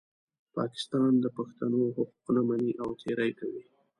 پاکستان د پښتنو حقوق نه مني او تېری کوي.